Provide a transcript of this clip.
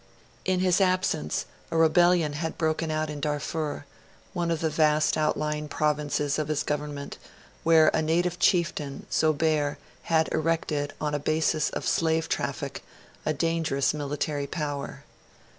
In his absence, a rebellion had broken out in Darfur one of the vast outlying provinces of his government where a native chieftain, Zobeir, had erected, on a basis of slave traffic, a dangerous military power.